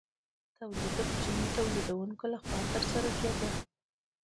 تولید د کوچنیو تولیدونکو لخوا ترسره کیده.